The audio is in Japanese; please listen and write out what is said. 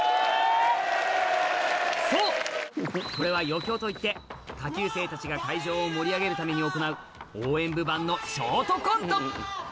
そうこれは余興といって下級生たちが会場を盛り上げるために行う応援部版のショートコント